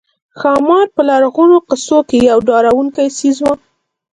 ښامار په لرغونو قصو کې یو ډارونکی څېز وو